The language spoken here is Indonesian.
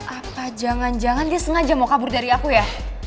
apa jangan jangan dia sengaja mau kabur dari aku ya